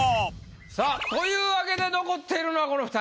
さぁというわけで残っているのはこの２人。